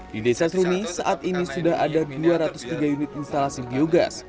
di desa serumi saat ini sudah ada dua ratus tiga unit instalasi biogas